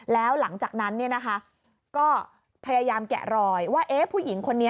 แล้วหลังจากนั้นก็พยายามแกะรอยว่าผู้หญิงคนนี้